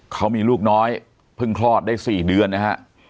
เขามีลูกน้อยเพิ่งคลอดได้๔เดือนนะฮะ